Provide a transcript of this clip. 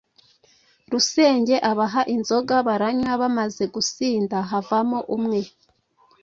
Rusenge abaha inzoga baranywa, bamaze gusinda havamo umwe